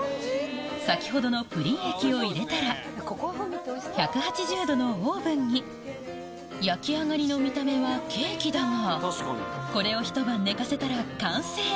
先ほどのプリン液を入れたら１８０度のオーブンに焼き上がりの見た目はケーキだがこれを一晩寝かせたら完成